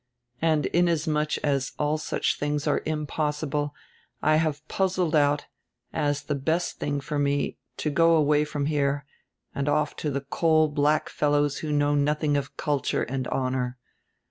And inasmuch as all such tilings are impossible I have puzzled out, as the best tiling for me, to go away from here and off to the coal black fellows who know nothing of culture and honor.